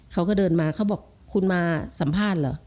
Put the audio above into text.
เขาก็เดินมาเขาบอกคุณมาสัมภาษณ์เหรอ